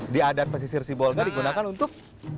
di adat pesisir sibolga digunakan untuk